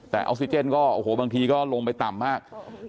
แต่ออกซิเจนก็โอ้โหบางทีก็ลงไปต่ำมาก